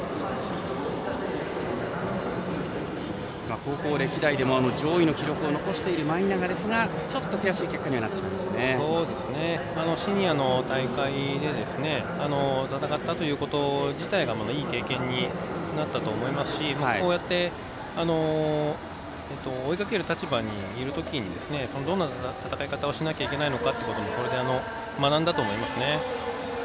高校歴代では上位の記録を残している舞永ですが、ちょっと悔しいシニアの大会で戦ったということ自体はいい経験になったと思いますしこうやって追いかける立場にいるときにどんな戦い方をしなければいけないのかということを学んだと思います。